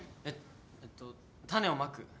えっとたねをまく。